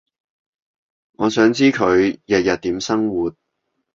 我想知佢日日點生活